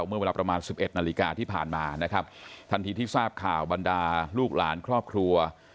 เมื่อเวลาประมาณสิบเอ็ดนาฬิกาที่ผ่านมานะครับทันทีที่ทราบข่าวบรรดาลูกหลานครอบครัว